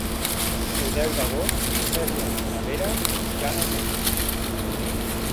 El deu d'agost na Cèlia i na Vera iran al metge.